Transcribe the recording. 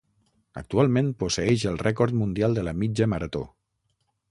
Actualment posseeix el rècord mundial de la mitja marató.